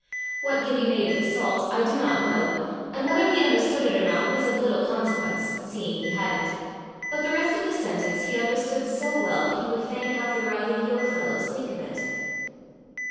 What Gibbie made of the salt, I do not know; and whether he understood it or not was of little consequence, seeing he had it; but the rest of the sentence he understood so well that he would fain have the writhing yoke fellows think of it.